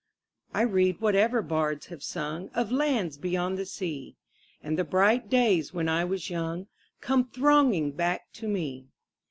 I read whatever bards have sung Of lands beyond the sea, 10 And the bright days when I was young Come thronging back to me.